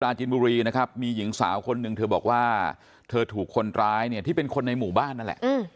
จินบุรีนะครับมีหญิงสาวคนหนึ่งเธอบอกว่าเธอถูกคนร้ายเนี่ยที่เป็นคนในหมู่บ้านนั่นแหละ